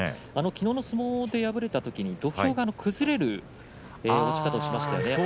きのうの相撲で敗れたときに土俵が崩れるような落ち方をしましたよね。